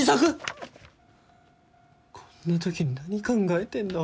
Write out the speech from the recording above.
こんなときに何考えてんだ